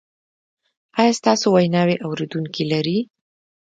ایا ستاسو ویناوې اوریدونکي لري؟